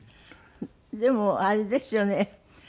でもあれですよね。